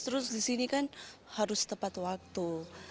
terus di sini kan harus tepat waktu